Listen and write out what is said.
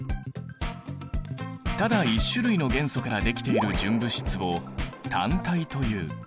ただ１種類の元素からできている純物質を単体という。